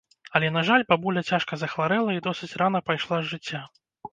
Але, на жаль, бабуля цяжка захварэла і досыць рана пайшла з жыцця.